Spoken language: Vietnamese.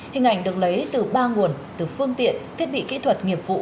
hình ảnh được lấy từ ba nguồn từ phương tiện thiết bị kỹ thuật nghiệp vụ